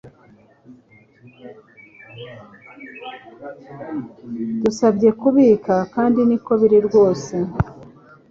Basabye kubika kandi niko biri rwose